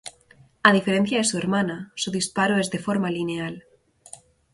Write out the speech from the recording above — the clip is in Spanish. A diferencia de su hermana, su disparo es de forma lineal.